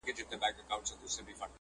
ګواکي ټول دي د مرګي خولې ته سپارلي!